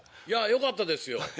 よかったですよ